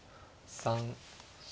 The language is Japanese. ３４。